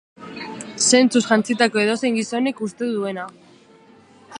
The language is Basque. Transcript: Zentzuz jantzitako edozein gizonek uste duena.